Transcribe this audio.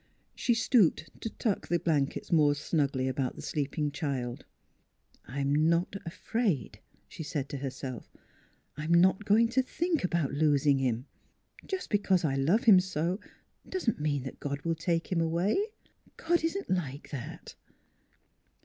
She stooped to tuck the blankets more snugly about the sleeping child. "I'm not afraid," she said to herself; "I'm NEIGHBORS 149 not going to think about losing him. Just because I love him so doesn't mean that God will take him away. God isn't like that